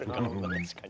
確かに。